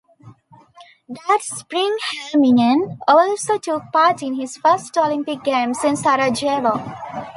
That spring Helminen also took part in his first Olympic Games in Sarajevo.